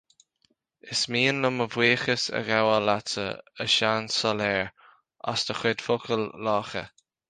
Is mian liom mo bhuíochas a ghabháil leatsa, a Seansailéir, as do chuid focail lácha